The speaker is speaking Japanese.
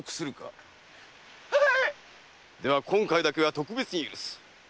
では今回だけは特別に許す。